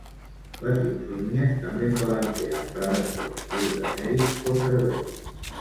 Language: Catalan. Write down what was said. Les insígnies també poden ser emprades per motius de mèrit o servei.